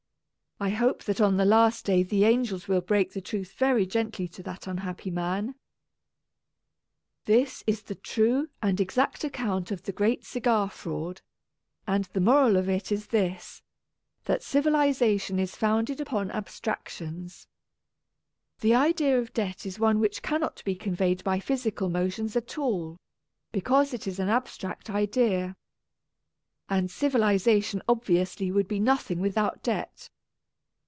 I hope that on the last day the angels will break the truth very gently to that unhappy man. This is the true and exact account of the Great Cigar Fraud, and the moral of it is this — that civilization is founded upon ab ["9] KT 30 1911 <r A Tragedy of Twopence stractions. The idea of debt is one which cannot be conveyed by physical motions at all, because it is an abstract idea. And civi lization obviously would be nothing without debt.